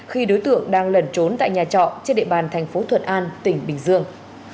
khi đối tượng đang lẩn trốn tại nhà trọ trên địa bàn thành phố thuận an tỉnh bình dương